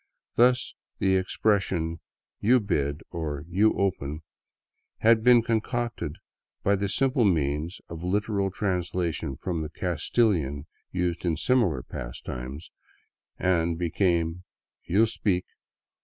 Thus the expressions " You bid," or " You open," had been concocted by the simple means of literal translation from the Castilian used in similar pastimes, and became " You speak."